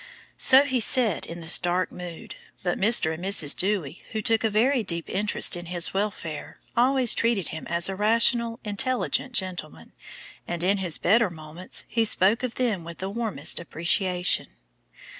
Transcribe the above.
So he said in this dark mood, but Mr. and Mrs. Dewy, who took a very deep interest in his welfare, always treated him as a rational, intelligent gentleman, and in his better moments he spoke of them with the warmest appreciation.